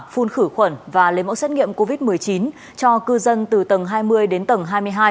phun khử khuẩn và lấy mẫu xét nghiệm covid một mươi chín cho cư dân từ tầng hai mươi đến tầng hai mươi hai